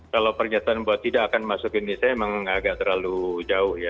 kalau pernyataan bahwa tidak akan masuk ke indonesia memang agak terlalu jauh ya